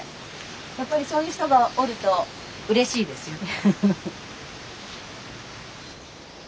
やっぱりそういう人がおるとうれしいですよね。